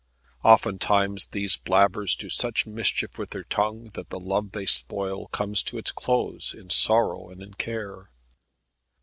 Oftentimes these blabbers do such mischief with their tongue, that the love they spoil comes to its close in sorrow and in care.